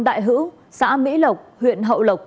đại hữu xã mỹ lộc huyện hậu lộc